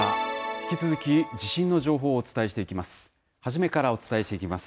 引き続き地震の情報をお伝えしていきます。